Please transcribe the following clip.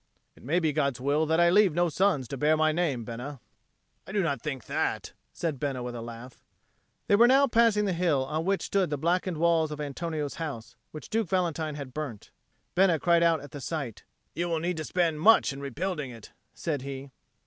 "It may be God's will that I leave no sons to bear my name, Bena." "I do not think that," said Bena with a laugh. They were now passing the hill on which stood the blackened walls of Antonio's house, which Duke Valentine had burnt. Bena cried out at the sight. "You will need to spend much in rebuilding it," said he.